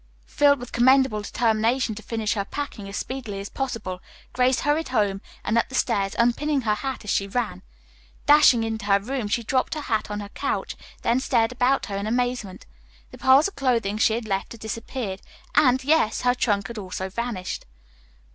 Filled with commendable determination to finish her packing as speedily as possible, Grace hurried home and up the stairs, unpinning her hat as she ran. Dashing into her room, she dropped her hat on her couch, then stared about her in amazement. The piles of clothing she had left had disappeared, and, yes, her trunk had also vanished.